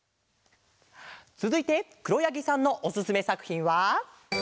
つづいてくろやぎさんのおすすめさくひんは。